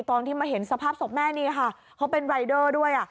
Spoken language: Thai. ตอนที่มาเห็นสภาพศพแม่นี่ค่ะเขาเป็นรายเดอร์ด้วย